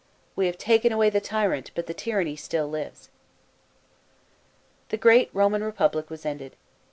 We have taken away the tyrant, but the tyranny still lives. " The great Roman Republic was ended.